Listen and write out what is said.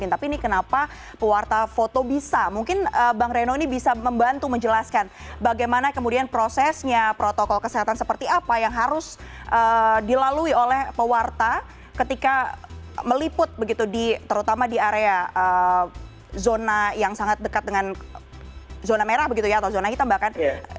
tapi ini kenapa pewarta foto bisa mungkin bang reno ini bisa membantu menjelaskan bagaimana kemudian prosesnya protokol kesehatan seperti apa yang harus dilalui oleh pewarta ketika meliput begitu di terutama di area zona yang sangat dekat dengan zona merah begitu ya atau zona hitam bahkan